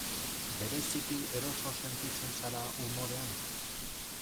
Bereziki eroso sentitzen zara umorean?